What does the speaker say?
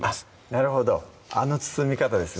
なるほどあの包み方ですね